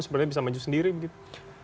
sebenarnya bisa maju sendiri begitu